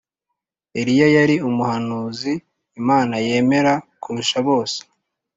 eliya yari umuhanuzi imana yemera kurusha bose